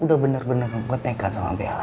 udah bener bener ngegoteka sama bella